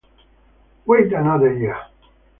Wait another year!